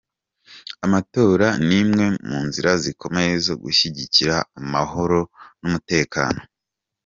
Amatora ni imwe mu nzira zikomeye zo gushyigikira amahoro n’umutekano.